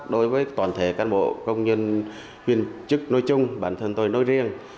đối với toàn thể cán bộ công nhân viên chức nối chung bản thân tôi nối riêng